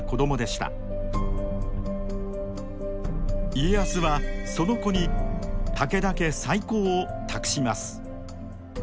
家康はその子に武田家再興を託します。